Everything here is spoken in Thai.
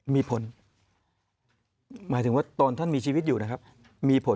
มีผลหมายถึงว่าตอนท่านมีชีวิตอยู่นะครับมีผล